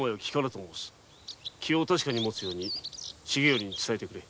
気を確かにもつように重頼に伝えてくれ。